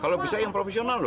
kalau bisa yang profesional loh